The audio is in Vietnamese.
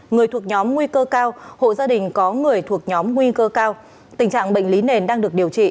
người thuộc nhóm nguy cơ cao hộ gia đình có người thuộc nhóm nguy cơ cao tình trạng bệnh lý nền đang được điều trị